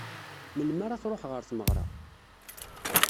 Melmi ara truḥ ɣer tmeɣra?